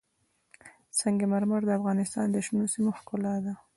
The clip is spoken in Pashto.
سنگ مرمر د افغانستان د شنو سیمو ښکلا ده.